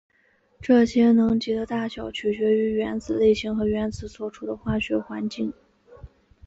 这些能级的大小取决于原子类型和原子所处的化学环境。